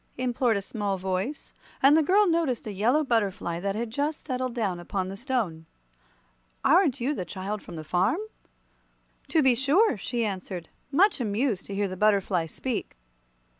implored a small voice, and the girl noticed a yellow butterfly that had just settled down upon the stone. "Aren't you the child from the farm?" "To be sure," she answered, much amused to hear the butterfly speak.